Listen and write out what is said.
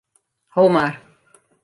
Ho mar.